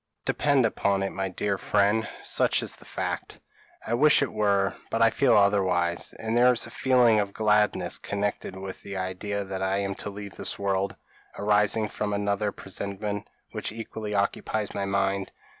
Depend upon it, my dear friend, such is the fact." "I wish it were; but I feel otherwise, and there is a feeling of gladness connected with the idea that I am to leave this world, arising from another presentiment, which equally occupies my mind."